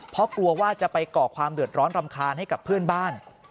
เพราะกลัวว่าจะไปก่อความเดือดร้อนรำคาญให้กับเพื่อนบ้าน